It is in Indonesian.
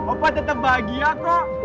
opa tetep bahagia kok